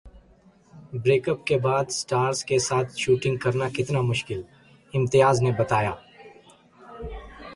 Breakup के बाद stars के साथ शूटिंग करना कितना मुश्किल? इम्तियाज ने बताया